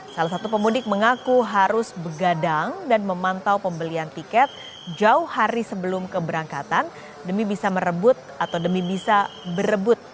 salah satu pemudik mengaku harus begadang dan memantau pembelian tiket jauh hari sebelum keberangkatan demi bisa merebut atau demi bisa berebut